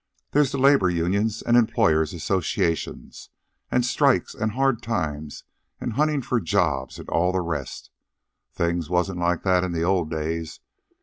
There's the labor unions an' employers' associations, an' strikes', an' hard times, an' huntin' for jobs, an' all the rest. Things wasn't like that in the old days.